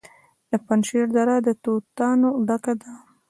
د پنجشیر دره د توتانو ډکه ده.